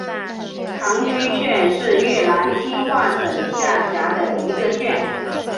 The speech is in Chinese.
常春县是越南清化省下辖的一个县。